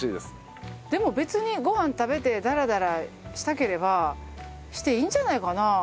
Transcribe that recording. でも別にご飯を食べてダラダラしたければしていいんじゃないかなあ？